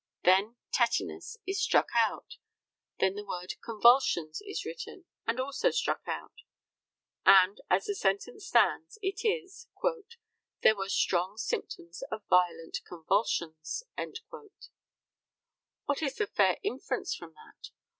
Then "tetinus" is struck out; then the word "convulsions" is written, and also struck out; and, as the sentence stands, it is, "There were strong symptoms of violent convulsions." What is the fair inference from that?